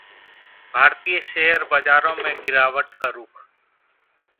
भारतीय शेयर बाजारों में गिरावट का रुख